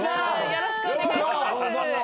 よろしくお願いします。